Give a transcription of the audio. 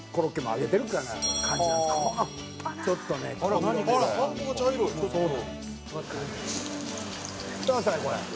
見てくださいこれ。